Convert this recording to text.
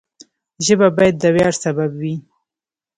ژبه باید د ویاړ سبب وي.